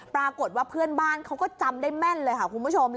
ปรากฏว่าเพื่อนบ้านเขาก็จำได้แม่นเลยค่ะคุณผู้ชม